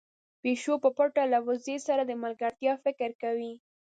پيشو په پټه له وزې سره د ملګرتيا فکر کوي.